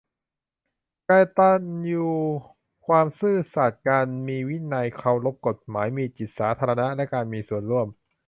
กตัญญู ความซื่อสัตย์ การมีวินัย เคารพกฎหมาย มีจิตสาธารณะและการมีส่วนร่วม